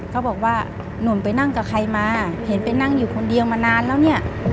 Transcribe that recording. เขาบอกว่าหนุ่มไปนั่งกับใครมาเห็นไปนั่งอยู่คนเดียวมานานแล้วเนี่ย